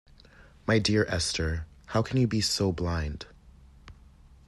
My dear Esther, how can you be so blind?